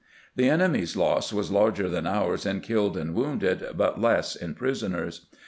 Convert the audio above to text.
The enemy's loss was larger than ours in killed and wounded, but less in prisoners.